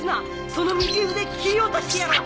その右腕切り落としてやろう！